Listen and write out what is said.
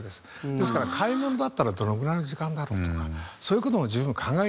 ですから買い物だったらどのぐらいの時間だろうとかそういう事も十分考えてる。